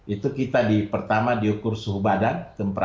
itu kita pertama diukur suhu badan